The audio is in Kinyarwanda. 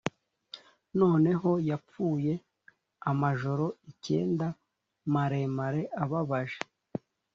noneho yapfuye amajoro icyenda maremare ababaje;